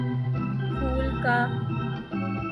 پھول کا